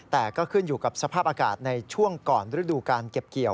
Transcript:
แต่ก็ขึ้นอยู่กับสภาพอากาศในช่วงก่อนฤดูการเก็บเกี่ยว